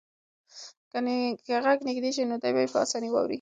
که غږ نږدې شي نو دی به یې په اسانۍ واوري.